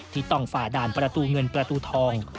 ที่ต้องฝ่าด่านประตูเงินประตูทอง